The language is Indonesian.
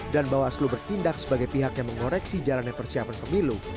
dan bawaslu bertindak sebagai pihak yang mengoreksi jalannya persiapan pemilu